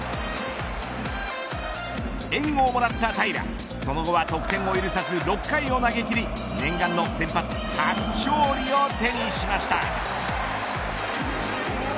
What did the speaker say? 援護をもらった平良その後は得点を許さず６回を投げ切り念願の先発初勝利を手にしました。